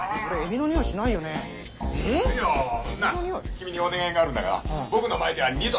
キミにお願いがあるんだが僕の前では二度。